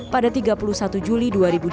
pada tiga puluh satu juli dua ribu dua puluh